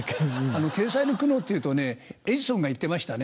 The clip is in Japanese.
天才の苦悩っていうとねエジソンが言ってましたね。